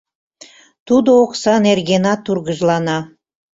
Тудо окса нергенат тургыжлана.